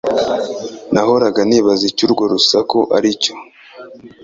Nahoraga nibaza icyo urwo rusaku aricyo.